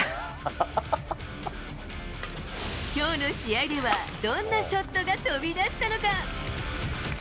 きょうの試合ではどんなショットが飛び出したのか。